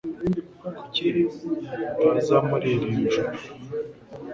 Kuki utaza muri iri joro